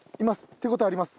手応えあります。